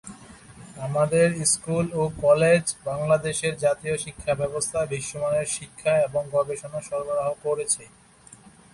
আমাদের স্কুল ও কলেজ বাংলাদেশের জাতীয় শিক্ষাব্যবস্থায় বিশ্বমানের শিক্ষা এবং গবেষণা সরবরাহ করছে।